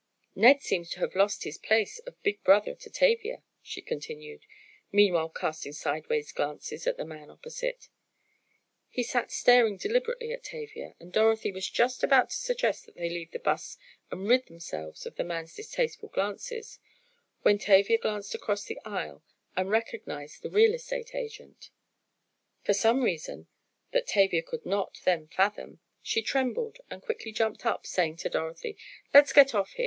"Ned seems to have lost his place of big brother to Tavia," she continued, meanwhile casting sidewise glances at the man opposite. He sat staring deliberately at Tavia, and Dorothy was just about to suggest that they leave the 'bus and rid themselves of the man's distasteful glances, when Tavia glanced across the aisle and recognized the real estate agent! For some reason that Tavia could not then fathom, she trembled, and quickly jumped up, saying to Dorothy: "Let's get off here!